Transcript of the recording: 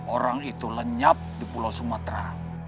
orang itu lenyap di pulau sumatera